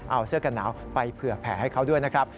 เอาเสื้อกันหนาวไปเผื่อแผลให้เขาด้วยนะครับ